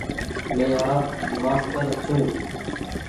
مين آپ مآستر ڇون ۔